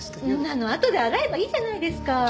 そんなのあとで洗えばいいじゃないですか！